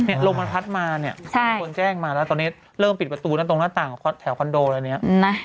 ลมมันพัดมาเนี่ยมีคนแจ้งมาแล้วตอนนี้เริ่มปิดประตูนะตรงหน้าต่างของแถวคอนโดแล้วเนี่ย